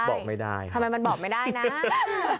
ทำไมบอกไม่ได้นะ